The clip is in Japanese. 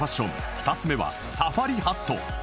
２つ目はサファリハット